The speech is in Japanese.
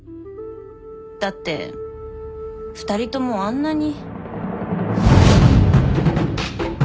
だって２人ともあんなに。